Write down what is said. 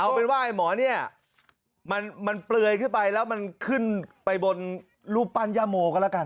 เอาเป็นว่าไอ้หมอเนี่ยมันเปลือยขึ้นไปแล้วมันขึ้นไปบนรูปปั้นย่าโมก็แล้วกัน